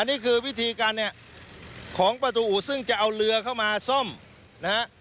นี่คือวิธีการเนี่ยของประตูอู่ซึ่งจะเอาเรือเข้ามาซ่อมนะฮะ